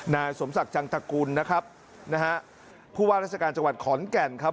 นายสมศักดิ์จังตกุลนะครับนะฮะผู้ว่าราชการจังหวัดขอนแก่นครับ